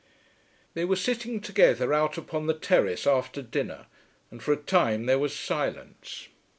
They were sitting together out upon the terrace after dinner, and for a time there was silence.